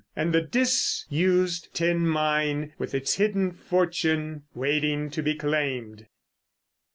and the disused tin mine with its hidden fortune waiting to be claimed.